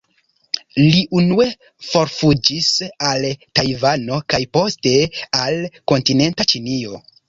Li unue forfuĝis al Tajvano kaj poste al kontinenta Ĉinio.